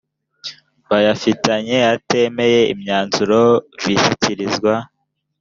bayafitanye atemeye imyanzuro bishyikirizwa